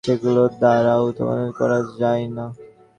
সেগুলির দ্বারা উচ্চতম অবস্থা লাভ করা যায় না।